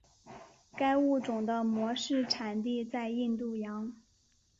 该物种的模式产地在印度洋。